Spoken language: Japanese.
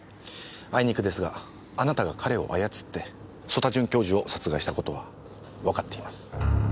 あいにくですがあなたが彼を操って曽田准教授を殺害したことはわかっています。